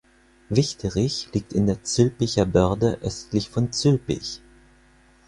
Wichterich liegt in der Zülpicher Börde östlich von Zülpich.